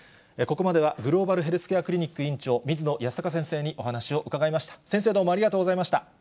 ここまではグローバルヘルスケアクリニック院長、水野泰孝先生にお話を伺いました。